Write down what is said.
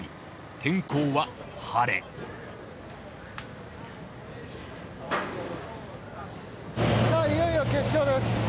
天候は晴れさあいよいよ決勝です。